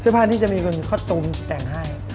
เสื้อผ้านี่จะมีคนคอตุมแต่งให้